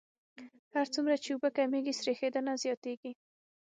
هر څومره چې اوبه کمیږي سریښېدنه زیاتیږي